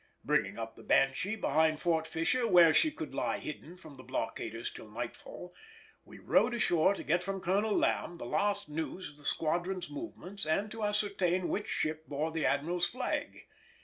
Bringing up the Banshee behind Fort Fisher, where she could lie hidden from the blockaders till nightfall, we rowed ashore to get from Colonel Lamb the last news of the squadron's movements and to ascertain which ship bore the Admiral's flag.